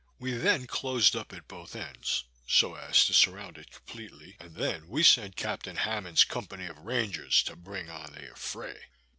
We then closed up at both ends, so as to surround it completely; and then we sent Captain Hammond's company of rangers to bring on the affray.